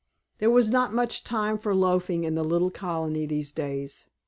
There was not much time for loafing in the little colony these days.